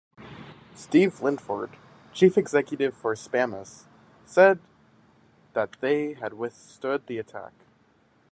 Steve Linford, chief executive for Spamhaus, said that they had withstood the attack.